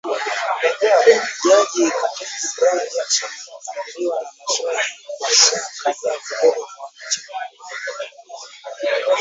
jaji Ketanji Brown Jackson alikabiliwa na maswali kwa saa kadhaa kutoka kwa wanachama wa